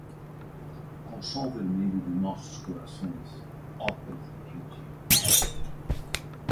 Ao sol vermelho de nossos corações, ó, Presidente Mao